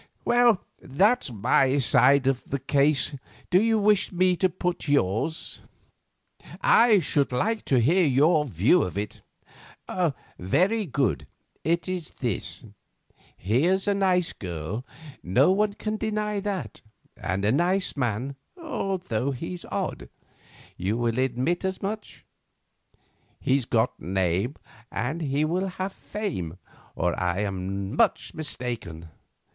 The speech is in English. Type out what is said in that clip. Well, that's my side of the case. Do you wish me to put yours?" "I should like to hear your view of it." "Very good, it is this. Here's a nice girl, no one can deny that, and a nice man, although he's odd—you will admit as much. He's got name, and he will have fame, or I am much mistaken.